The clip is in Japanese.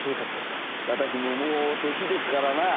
私ももう年ですからな。